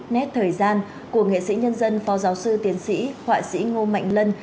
nét thời gian của nghệ sĩ nhân dân phó giáo sư tiến sĩ họa sĩ ngô mạnh lân